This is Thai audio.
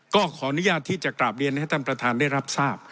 ก็ขออนุญาตที่จะกราบเรียนให้ท่านประธานได้รับทราบ